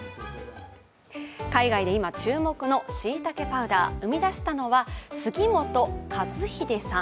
海外で今、注目のしいたけパウダー。生み出したのは、杉本和英さん。